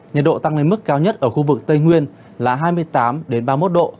nhiệt độ tăng lên mức cao nhất ở khu vực tây nguyên là hai mươi tám ba mươi một độ